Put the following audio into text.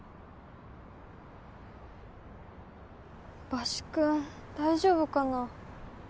バシ君大丈夫かな。